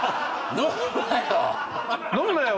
飲むなよ